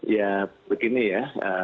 ya begini ya